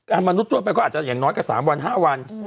มนุษย์ทั่วไปก็อาจจะอย่างน้อยกว่า๓วัน๕วัน